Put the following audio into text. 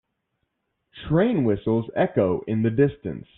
Train whistles echo in the distance.